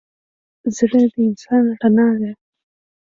زړه د انسان رڼا ده.